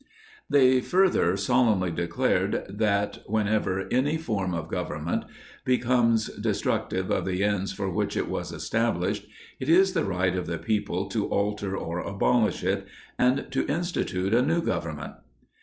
They further solemnly declared that whenever any "form of government becomes destructive of the ends for which it was established, it is the right of the people to alter or abolish it, and to institute a new government."